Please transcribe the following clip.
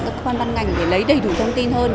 các ban ngành để lấy đầy đủ thông tin hơn